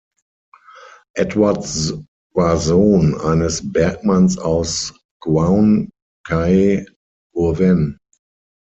Edwards war Sohn eines Bergmanns aus Gwaun-cae-Gurwen.